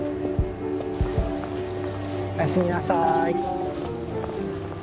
おやすみなさい！